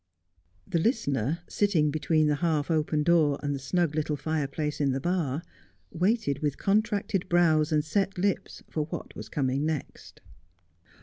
The listener, sitting between the half open door and the snug little fireplace in the bar, waited with contracted brows and set lips for what was coming next.